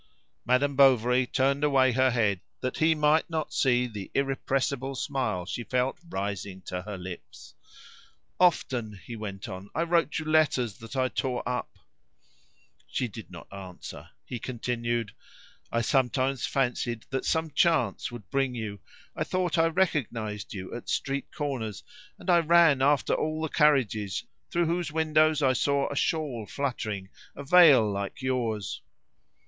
Madame Bovary turned away her head that he might not see the irrepressible smile she felt rising to her lips. "Often," he went on, "I wrote you letters that I tore up." She did not answer. He continued "I sometimes fancied that some chance would bring you. I thought I recognised you at street corners, and I ran after all the carriages through whose windows I saw a shawl fluttering, a veil like yours."